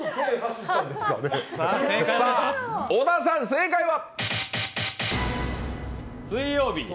小田さん、正解は？